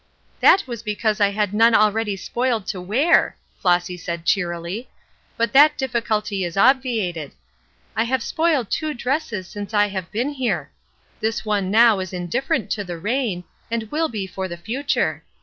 "That was because I had none already spoiled to wear," Flossy answered, cheerily; "but that difficulty is obviated; I have spoiled two dresses since I have been here. This one now is indifferent to the rain, and will be for the future.